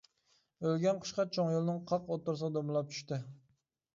ئۆلگەن قۇشقاچ چوڭ يولنىڭ قاق ئوتتۇرىسىغا دومىلاپ چۈشتى.